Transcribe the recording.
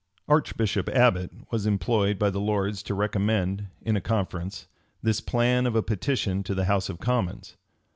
Archbishop Abbot was employed by the lords to recommend, in a conference, this plan of a petition to the house of commons.